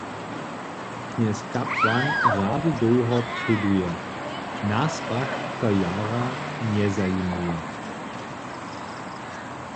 Knjez kapłan rady dołho prěduje, nas pak to jara njezajimuje.